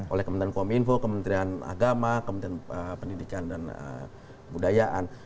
oleh kementerian komunikasi kementerian agama kementerian pendidikan dan budayaan